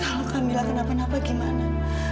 kalau kak mila kenapa napa gimana